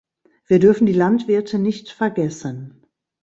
Wir dürfen die Landwirte nicht vergessen.